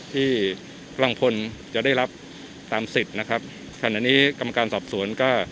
ที่กำลังพลจะได้รับตามสิทธิ์นะครับขณะนี้กรรมการสอบสวนก็